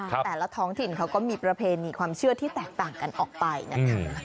แต่ละท้องถิ่นเขาก็มีประเพณีความเชื่อที่แตกต่างกันออกไปนะคะ